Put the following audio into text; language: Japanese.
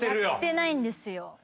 やってないんですよ。